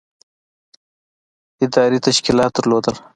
ادارې تشکیلات درلودل.